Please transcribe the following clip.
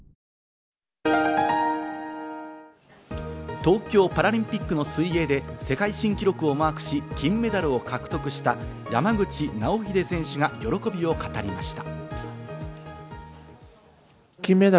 東京パラリンピックの水泳で世界新記録をマークし、金メダルを獲得した山口尚秀選手が喜びを語りました。